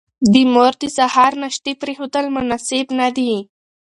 د مور د سهار ناشتې پرېښودل مناسب نه دي.